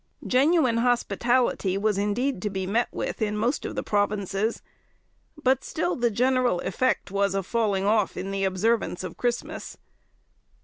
Genuine hospitality was indeed to be met with in most of the provinces; but still the general effect was a falling off in the observance of Christmas.